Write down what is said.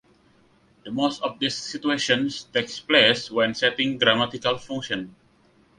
The most of these situations takes place when setting grammatical functions.